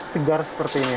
segar seperti ini